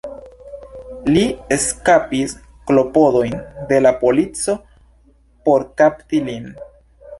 Li eskapis klopodojn de la polico por kapti lin.